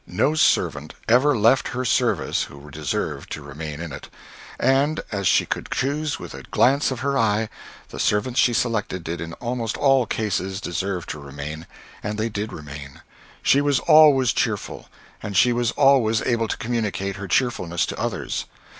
No servant ever left her service who deserved to remain in it. And, as she could choose with a glance of her eye, the servants she selected did in almost all cases deserve to remain, and they did remain. She was always cheerful; and she was always able to communicate her cheerfulness to others.